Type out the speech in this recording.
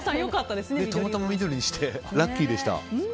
たまたま緑にしてラッキーでした。